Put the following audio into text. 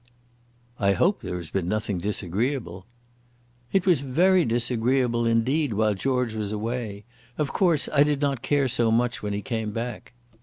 "I hope there has been nothing disagreeable." "It was very disagreeable, indeed, while George was away. Of course I did not care so much when he came back."